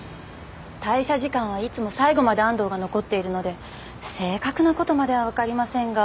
退社時間はいつも最後まで安藤が残っているので正確な事まではわかりませんが。